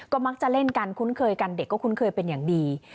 ก็มักจะเล่นกันคุ้นเคยกันเด็กก็คุ้นเคยเป็นอย่างดี